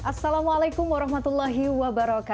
assalamualaikum wr wb